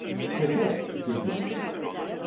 Efe, dedi.